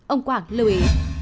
ông quảng lưu ý